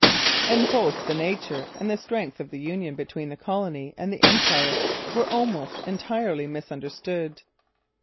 And both the nature and the strength of the union between the colony and the Empire were almost entirely misunderstood.